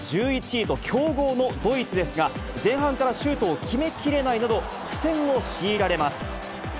１１位と、強豪のドイツですが、前半からシュートを決めきれないなど、苦戦を強いられます。